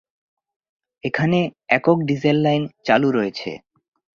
এখানে একক diesel line চালু রয়েছে।